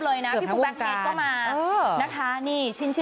แล้วก็จะดูแลให้ดี